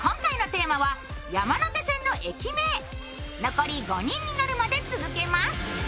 残り５人になるまで続けます。